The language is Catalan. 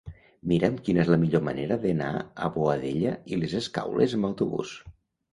Mira'm quina és la millor manera d'anar a Boadella i les Escaules amb autobús.